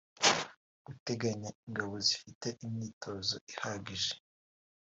guteganya ingabo zifite imyitozo ihagije